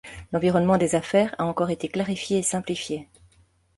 L’environnement des affaires a encore été clarifié et simplifié.